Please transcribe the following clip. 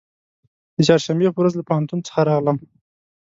د چهارشنبې په ورځ له پوهنتون څخه راغلم.